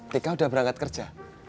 tika udah berangkat kerja